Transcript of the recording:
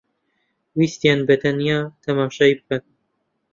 ویستیان بەتەنیا تەماشای بکەن